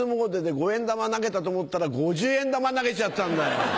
５円玉投げたと思ったら５０円玉投げちゃったんだよ。